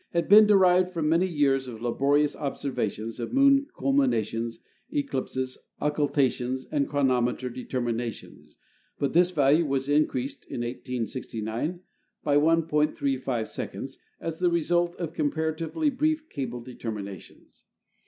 had been derived from many years of laborious observations of moon culminations, eclipses, occultations, and chronometer determinations, but this value was increased (in 1869) b}' 1.35 s., as the result of comparatively brief cable determinations.